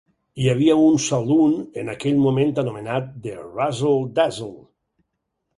Hi havia un saloon en aquell moment anomenat "The Razzle Dazzle".